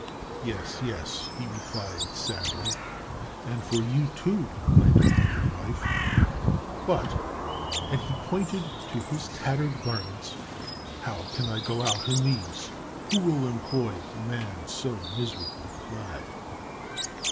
"Yes, yes," he replied, sadly, "and for you, too, my devoted wife, but" and he pointed to his tattered garments "how can I go out in these? Who will employ a man so miserably clad?"